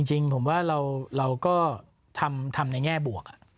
จริงผมว่าเราก็ทำในแง่บวก